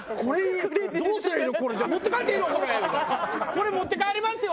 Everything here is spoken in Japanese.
これ持って帰りますよ？